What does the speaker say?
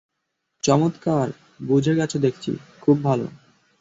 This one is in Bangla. চমৎকার, বুঝে গেছো দেখছি, খুব ভালো।